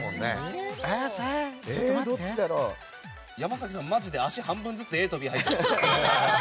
山崎さん、マジで足半分ずつＡとＢに入ってますよ。